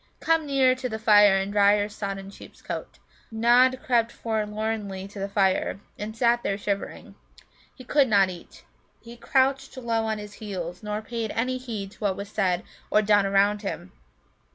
Come nearer to the fire, and dry your sodden sheep's coat." Nod crept forlornly to the fire, and sat there shivering. He could not eat. He crouched low on his heels, nor paid any heed to what was said or done around him.